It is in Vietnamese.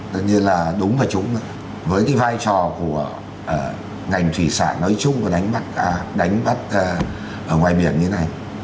tất nhiên là đúng và trúng với cái vai trò của ngành thủy sản nói chung và đánh bắt đánh bắt ở ngoài biển như thế này